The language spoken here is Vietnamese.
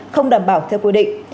không đảm bảo theo quy định